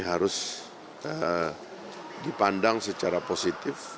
harus dipandang secara positif